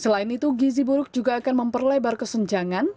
selain itu gizi buruk juga akan memperlebar kesenjangan